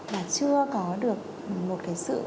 và chưa có được một cái sự